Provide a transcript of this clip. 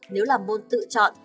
nếu là môn tự chọn